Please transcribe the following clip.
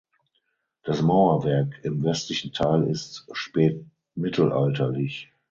Das Mauerwerk im westlichen Teil ist spätmittelalterlich.